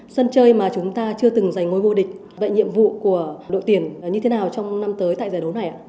sân chơi mà chúng ta chưa từng giành ngôi vô địch vậy nhiệm vụ của đội tuyển như thế nào trong năm tới tại giải đấu này ạ